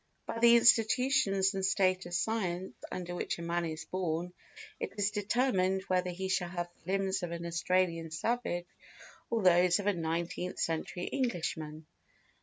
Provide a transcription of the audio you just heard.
By the institutions and state of science under which a man is born it is determined whether he shall have the limbs of an Australian savage or those of a nineteenth century Englishman.